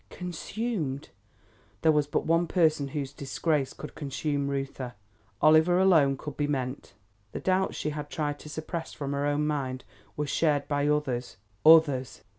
CONSUMED! There was but one person whose disgrace could consume Reuther. Oliver alone could be meant. The doubts she had tried to suppress from her own mind were shared by others, OTHERS!